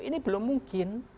ini belum mungkin